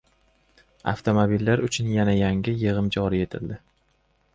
Avtomobillar uchun yana yangi yig‘im joriy etildi